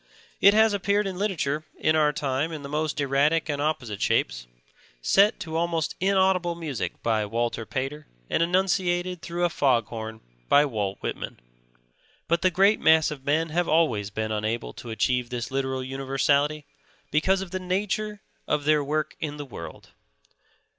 It has appeared in literature in our time in the most erratic and opposite shapes, set to almost inaudible music by Walter Pater and enunciated through a foghorn by Walt Whitman. But the great mass of men have always been unable to achieve this literal universality, because of the nature of their work in the world.